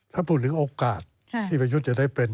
ถ้าพูดถึงโอกาสที่ประยุทธ์จะได้เป็น